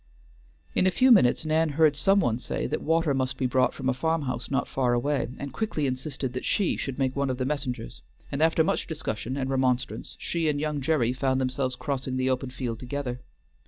In a few minutes Nan heard some one say that water must be brought from a farm house not far away, and quickly insisted that she should make one of the messengers, and after much discussion and remonstrance, she and young Gerry found themselves crossing the open field together.